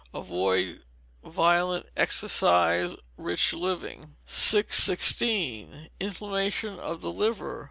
Avoid violent exercise, rich living. 616. Inflammation of the Liver.